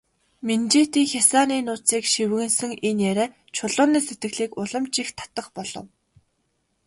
Минжээтийн хясааны нууцыг шивгэнэсэн энэ яриа Чулууны сэтгэлийг улам ч их татах болов.